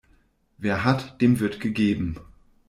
Wer hat, dem wird gegeben.